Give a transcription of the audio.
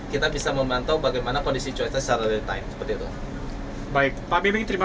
kita bisa memantau bagaimana kondisi cuaca secara real time seperti itu baik pak bimbing terima